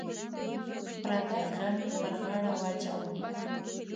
پردی غم یې پر غاړه واچوه.